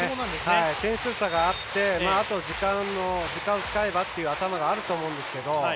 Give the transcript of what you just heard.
点数差があってあと時間を使えばという頭があると思うんですけど。